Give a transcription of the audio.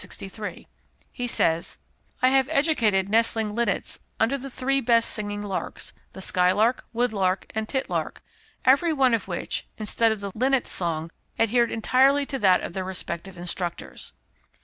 63); he says: "I have educated nestling linnets under the three best singing larks the skylark, woodlark, and titlark, every one of which, instead of the linnet's song, adhered entirely to that of their respective instructors.